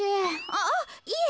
あっいえ